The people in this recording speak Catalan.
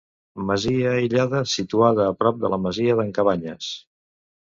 Masia aïllada, situada a prop de la masia d'en Cabanyes.